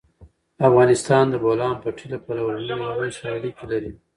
افغانستان د د بولان پټي له پلوه له نورو هېوادونو سره اړیکې لري.